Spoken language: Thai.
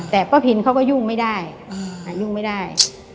แต่ป้าพินเขาก็ยุ่งไม่ได้